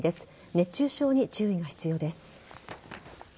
熱中症に注意が必要です。